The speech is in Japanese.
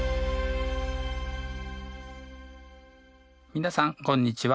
皆さんこんにちは。